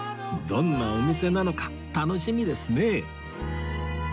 どんなお店なのか楽しみですね